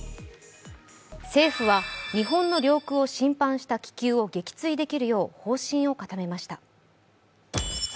政府は日本の領空を侵犯した気球を撃墜できるよう方針を固めました。